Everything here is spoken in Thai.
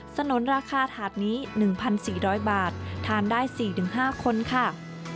สนุนราคาถาดนี้๑๔๐๐บาททานได้๔๕คนค่ะ